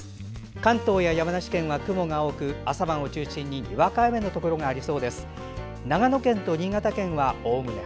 関東や山梨県は雲が多く朝晩を中心ににわか雨のところがありそうです。